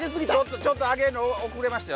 ちょっと上げんの遅れましたよ。